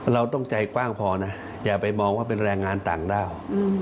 เราต้องใจกว้างพอนะอย่าไปมองว่าเป็นแรงงานต่างด้าว